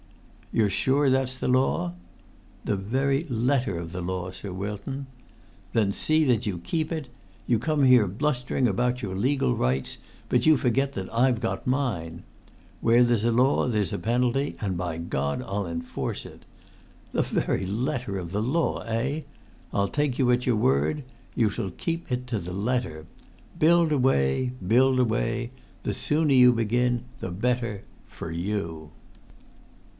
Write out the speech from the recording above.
"You're sure that's the law?" "The very letter of the law, Sir Wilton." "Then see that you keep it! You come here blustering about your legal rights; but you forget that I've got mine. Where there's a law there's a penalty, and by God I'll enforce it! 'The very letter of the law,' eh? I'll take you at your word; you shall keep it to the letter. Build away! Build away! The sooner you begin the better—for you!"